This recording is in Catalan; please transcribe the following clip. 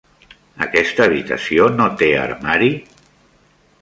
Aquesta habitació no té armari?